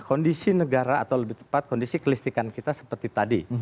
kondisi negara atau lebih tepat kondisi kelistikan kita seperti tadi